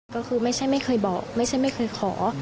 ก็คือไม่ใช่ไม่เคยบอกไม่ใช่ไม่เคยขอ